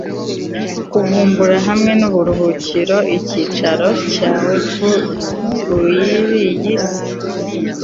kuvumbura, hamwe nuburuhukiro, icyicaro cyawe kuriyi si